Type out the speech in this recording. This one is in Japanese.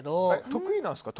得意なんですか？